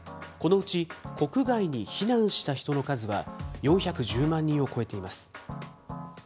このうち、国外に避難した人の数は４１０万人を超えています。